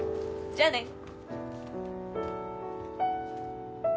じゃあね。